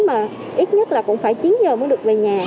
mà ít nhất là cũng phải chín giờ mới được về nhà